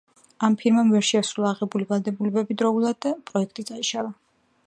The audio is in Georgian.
ამ ფირმამ ვერ შეასრულა აღებული ვალდებულებები დროულად და პროექტი ჩაიშალა.